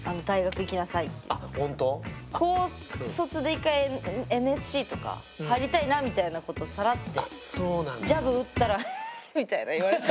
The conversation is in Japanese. １回「ＮＳＣとか入りたいな」みたいなことサラッてジャブ打ったらハハッみたいな言われて。